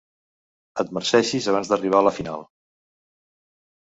Et marceixis abans d'arribar a la final.